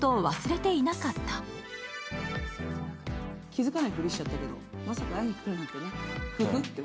気付かないふりしちゃったけど、まさか会いに来るなんてねって。